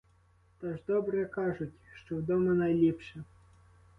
Та ж добре кажуть, що вдома найліпше.